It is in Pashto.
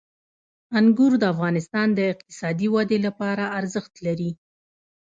انګور د افغانستان د اقتصادي ودې لپاره ارزښت لري.